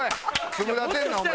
粒立てるなお前。